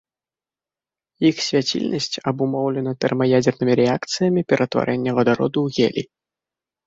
Іх свяцільнасць абумоўлена тэрмаядзернымі рэакцыямі ператварэння вадароду ў гелій.